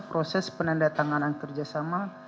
proses penandatanganan kerjasama